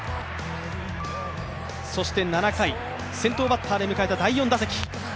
そして７回、先頭バッターで迎えた第４打席。